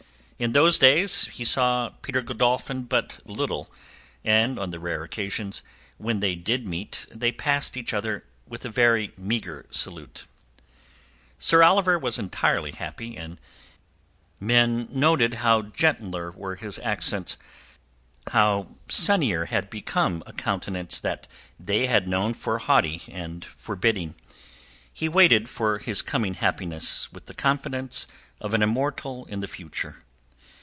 In those days he saw Peter Godolphin but little, and on the rare occasions when they did meet they passed each other with a very meagre salute. Sir Oliver was entirely happy, and men noticed how gentler were his accents, how sunnier had become a countenance that they had known for haughty and forbidding. He waited for his coming happiness with the confidence of an immortal in the future.